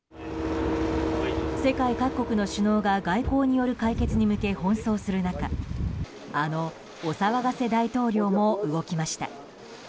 世界各国の首脳が外交による解決に向け奔走する中あのお騒がせ大統領も動きました。